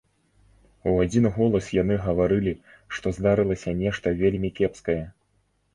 У адзін голас яны гаварылі, што здарылася нешта вельмі кепскае.